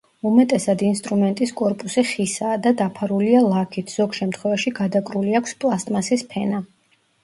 უმეტესად ინსტრუმენტის კორპუსი ხისაა და დაფარულია ლაქით, ზოგ შემთხვევაში გადაკრული აქვს პლასტმასის ფენა.